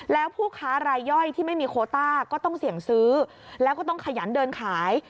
แล้วผู้ค้ารายย่อยที่ไม่มีโคต้าก็ต้องเสี่ยงซื้อแล้วก็ต้องขยันเดินขาย